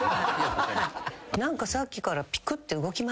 何かさっきからピクッて動きますね。